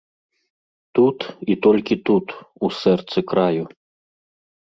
Тут і толькі тут, у сэрцы краю.